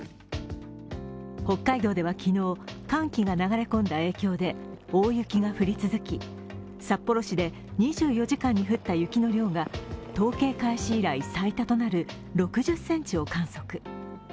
北海道では昨日、寒気が流れ込んだ影響で大雪が降り続き、札幌市で２４時間に降った雪の量が統計開始以来最多となる６０ｃｍを観測。